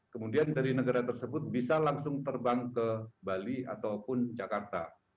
kemudian dari negara tersebut bisa langsung terbang ke bali ataupun jakarta